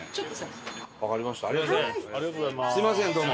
すみませんどうも。